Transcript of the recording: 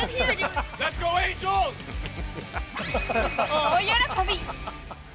大喜び。